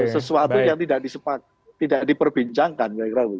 sesuatu yang tidak diperbincangkan